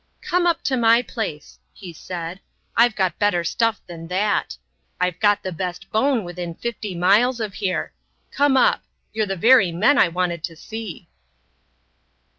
"Come up to my place," he said. "I've got better stuff than that. I've got the best Beaune within fifty miles of here. Come up. You're the very men I wanted to see."